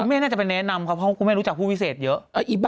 แม่น่าจะไปแนะนำครับเพราะคุณแม่รู้จักผู้พิเศษเยอะ